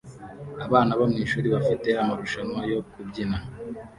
Abana bo mwishuri bafite amarushanwa yo kubyina